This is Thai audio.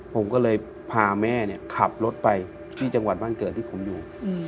ผมก็เลยพาแม่ขับรถไปที่จังหวัดบ้านเกิดที่ผมอยู่